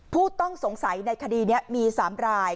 ผู้ต้องสงสัยในคดีนี้มี๓ราย